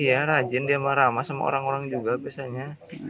iya rajin dia mau ramah sama orang orang juga biasanya